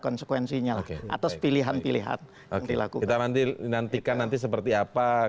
konsekuensinya oke atau pilihan pilihan yang dilakukan nanti nantikan nanti seperti apa itu kita akan menjawab pertanyaan tersebut